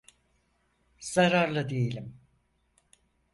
Zararlı değilim…